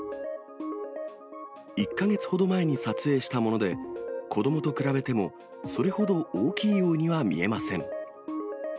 １か月ほど前に撮影したもので、子どもと比べても、それほど大きいようには見えません。